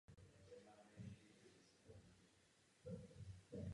Tato verze měla prodloužený trup a tedy unesla větší množství paliva.